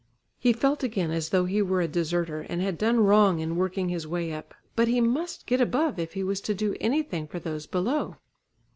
He felt again as though he were a deserter, and had done wrong in working his way up. But he must get above if he was to do anything for those below.